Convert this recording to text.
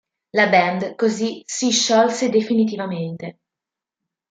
La band così si sciolse definitivamente.